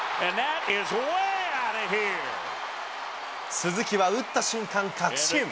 鈴木は打った瞬間確信。